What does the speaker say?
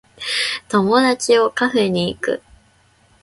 友達をカフェに行く